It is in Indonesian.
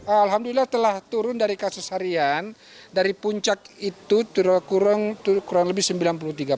alhamdulillah telah turun dari kasus harian dari puncak itu kurang lebih sembilan puluh tiga persen